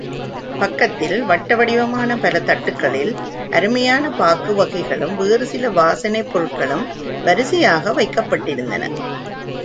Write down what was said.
பக்கத்தில் வட்ட வடிவமான பல தட்டுக்களில் அருமையான பாக்கு வகைகளும் வேறு சில வாசனைப் பொருள்களும் வரிசையாக வைக்கப்பட்டிருந்தன.